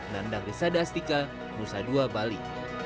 nandang di sada astika nusa dua bali